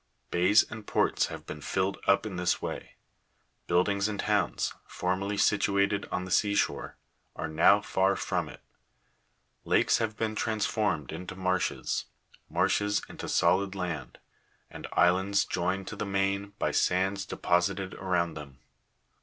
Bays and ports have been filled up in this way ; buildings and towns, formerly situated on the sea shore, are now far from it ; lakes have been transformed into marshes, marshes into solid land, and islands joined to the main by sands deposited around them.